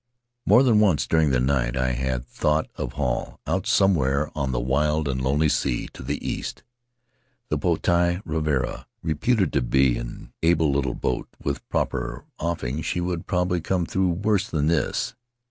More than once during the night I had thought of Hall out somewhere on the wild and lonely sea to the east. The Potii Ravarava was reputed an able little boat — with proper offing she would probably come through worse than this.